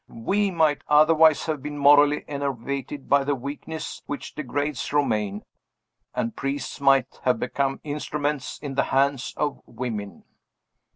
We might otherwise have been morally enervated by the weakness which degrades Romayne and priests might have become instruments in the hands of women.